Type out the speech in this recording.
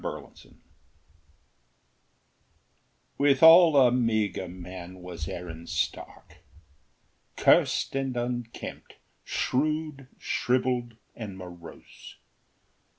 Aaron Stark Withal a meagre man was Aaron Stark, Cursed and unkempt, shrewd, shrivelled, and morose.